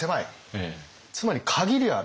つまり限りある。